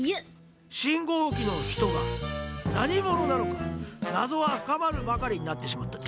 信号機の人がなにものなのかなぞはふかまるばかりになってしまったっち。